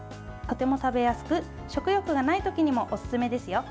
とても食べやすく食欲がない時にもおすすめですよ。